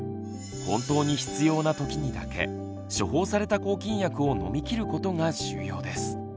本当に必要な時にだけ処方された抗菌薬を飲み切ることが重要です。